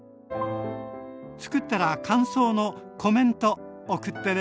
つくったら感想のコメント送ってね！